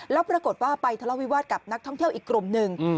แล้วปรากฏว่าไปทะเลาวิวาสกับนักท่องเที่ยวอีกกลุ่มหนึ่ง